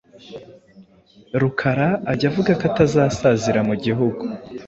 Rukara ajya avuga ko atazasazira mu gihugu.